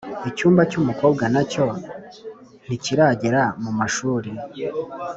Icyumba cy umukobwa nacyo ntikiragera mu mashuri